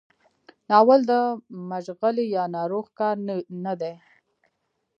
ناول د مشغلې یا ناروغ کار نه دی.